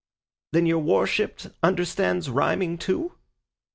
"Then your worship understands rhyming too?"